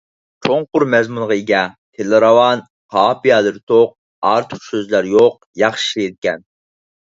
چوڭقۇر مەزمۇنغا ئىگە، تىلى راۋان، قاپىيەلىرى توق، ئارتۇقچە سۆزلەر يوق ياخشى شېئىركەن.